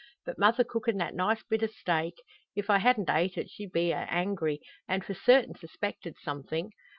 But mother cookin' that nice bit o' steak; if I hadn't ate it she'd a been angry, and for certain suspected somethin'.